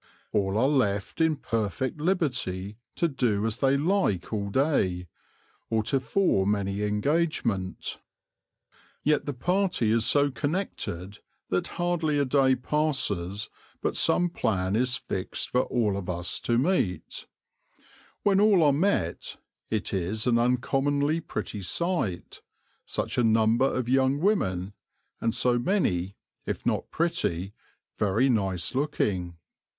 All are left in perfect liberty to do as they like all day, or to form any engagement. Yet the party is so connected that hardly a day passes but some plan is fixed for us all to meet. When all are met it is an uncommonly pretty sight, such a number of young women, and so many, if not pretty, very nice looking.